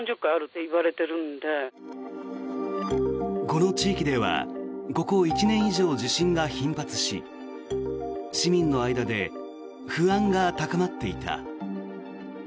この地域ではここ１年以上、地震が頻発し市民の間で不安が高まっていた。